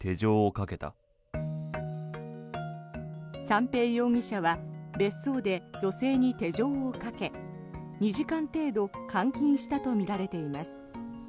三瓶容疑者は別荘で女性に手錠をかけ２時間程度監禁したとみられています。